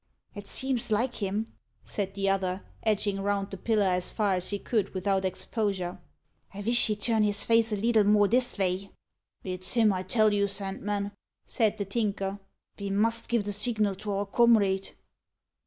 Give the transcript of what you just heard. "It seems like him," said the other, edging round the pillar as far as he could without exposure. "I vish he'd turn his face a leetle more this vay." "It's him, I tell you, Sandman," said the Tinker. "Ve must give the signal to our comrade."